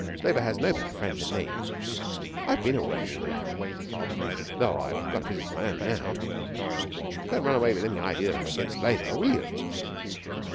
Labour has no better friend than me I've been a working man, though I've got a business of my own now. Don't run away with any idea that I'm against Labour will you?'